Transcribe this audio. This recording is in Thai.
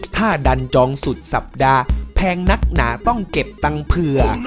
ถ้าดันจองสุดสัปดาห์แพงนักหนาต้องเก็บตังค์เผื่อ